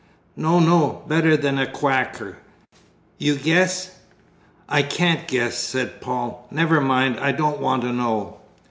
"No, no, better than a cwacker you guess." "I can't guess," said Paul; "never mind, I don't want to know."